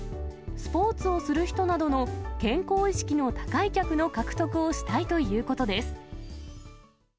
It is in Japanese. スポーツをする人などの健康意識の高い客の獲得をしたいということです。